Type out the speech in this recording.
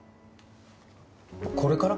これから！？